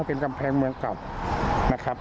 เป็นกำแพงเมืองเก่านะครับ